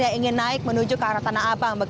yang ingin naik menuju ke arah tanah abang